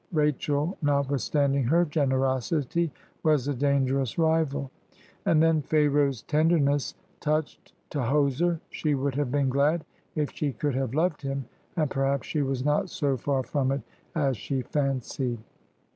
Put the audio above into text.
Rachel, notwithstanding her generosity, was a dan gerous rival. And then Pharaoh's tenderness touched Tahoser: she would have been glad if she could have loved him, and perhaps she was not so far from it as she fancied.